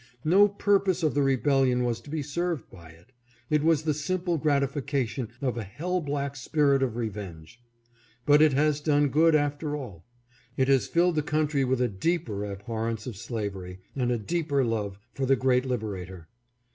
No purpose of the rebellion was to be served by it. It was the simple gratification of a hell black spirit of revenge. But it has done good after all. It has filled the country with a deeper abhorrence of slavery and a deeper love for the great liberator.